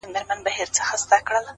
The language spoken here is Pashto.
د هر تورى لړم سو ـ شپه خوره سوه خدايه ـ